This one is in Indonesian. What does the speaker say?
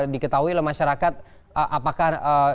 diketahui lah masyarakat apakah